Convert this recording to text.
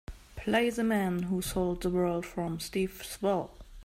Play the man who sold the world from Steve Swell